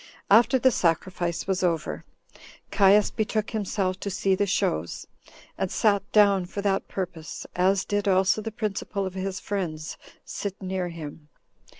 After the sacrifice was over, Caius betook himself to see the shows, and sat down for that purpose, as did also the principal of his friends sit near him.